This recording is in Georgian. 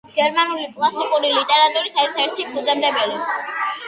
გერმანული კლასიკური ლიტერატურის ერთ-ერთი ფუძემდებელი.